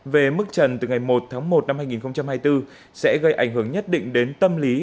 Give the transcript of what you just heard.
về mức trần từ ngày một tháng một năm hai nghìn hai mươi bốn sẽ gây ảnh hưởng nhất định đến tâm lý